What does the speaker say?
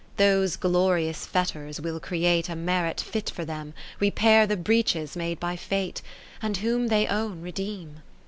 Those glorious fetters will create A merit fit for them. Repair the breaches made by Fate, And whom they own redeem.